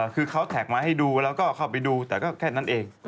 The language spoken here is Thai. คือเขาแท็กมาให้ดูแล้วก็เข้าไปดูแต่ก็แค่นั้นเอง